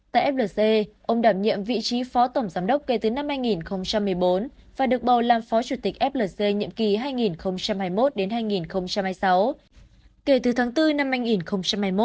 tại flc ông đảm nhiệm vị trí phó tổng giám đốc kể từ năm hai nghìn một mươi bốn và được bầu làm phó chủ tịch flc nhiệm kỳ hai nghìn hai mươi một hai nghìn hai mươi sáu kể từ tháng bốn năm hai nghìn hai mươi một